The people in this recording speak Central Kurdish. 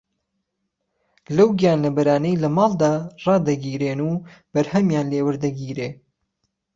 ەو گیانلەبەرانەی لە ماڵدا ڕادەگیرێن و بەرھەمیان لێ وەردەگیرێ